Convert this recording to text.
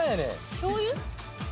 しょう油？